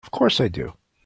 Of course I do!